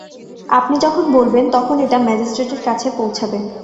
আপনি যখন বলবেন তখন এটা ম্যাজিস্ট্রেট এর কাছে পৌঁছাবে।